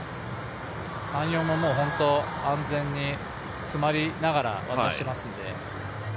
３、４も本当に安全に、詰まりながら渡してますので。